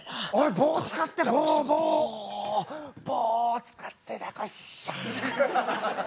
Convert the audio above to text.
棒を使ってシャ。